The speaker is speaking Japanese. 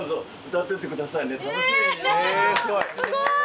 えすごい！